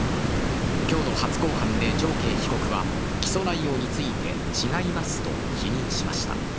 きょうの初公判で常慶被告は、起訴内容について違いますと否認しました。